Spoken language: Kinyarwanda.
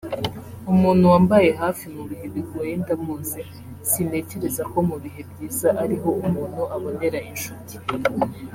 “Umuntu wambaye hafi mu bihe bigoye ndamuzi sintekereza ko mu bihe byiza ari ho umuntu abonera inshuti